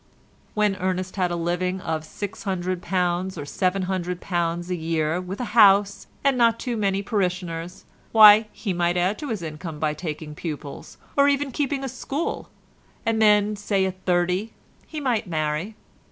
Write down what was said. When Ernest had a living of £600 or £700 a year with a house, and not too many parishioners—why, he might add to his income by taking pupils, or even keeping a school, and then, say at thirty, he might marry.